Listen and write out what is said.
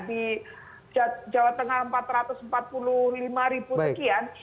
di jawa tengah empat ratus empat puluh lima ribu sekian